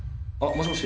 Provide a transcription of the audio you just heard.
もしもし。